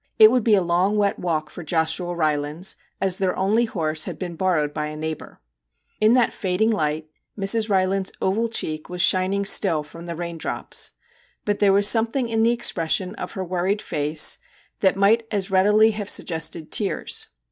It would be a long wet walk for Joshua Rylands, as their only horse had been borrowed by a neighbour. In that fading light Mrs. Rylands' oval cheek was shining still from the raindrops, but there was something in the expression of her worried face that might as readily have suggested tears.